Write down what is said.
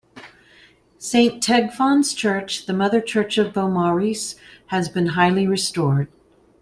Saint Tegfan's Church, the mother church of Beaumaris, has been highly restored.